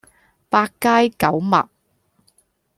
八街九陌